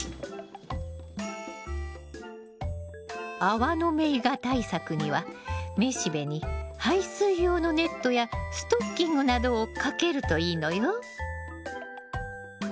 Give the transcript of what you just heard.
アワノメイガ対策には雌しべに排水用のネットやストッキングなどをかけるといいのよ。